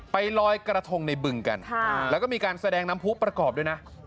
ไปลอยกระทงในบึงกันแล้วก็มีการแสดงน้ำผู้ประกอบด้วยนะ